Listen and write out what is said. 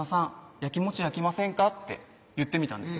やきもちやきませんか？」って言ってみたんです